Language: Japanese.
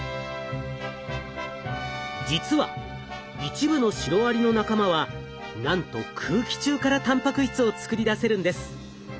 実は一部のシロアリの仲間はなんと空気中からたんぱく質を作り出せるんです。